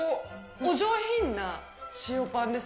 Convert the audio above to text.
お上品な塩パンです。